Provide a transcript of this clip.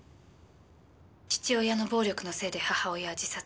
父親の暴力のせいで母親は自殺。